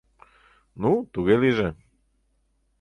— Ну, туге лийже.